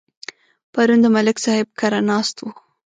پرون د ملک صاحب کره ناست وو.